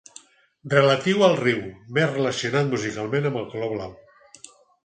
Relatiu al riu més relacionat musicalment amb el color blau.